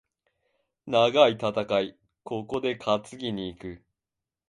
長い戦い、ここで担ぎに行く。